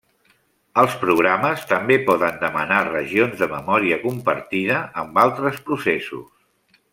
Els programes també poden demanar regions de memòria compartida amb altres processos.